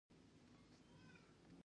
حاصل د زحمت پایله ده؟